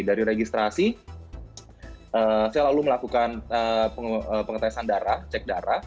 dari registrasi saya lalu melakukan pengetesan darah cek darah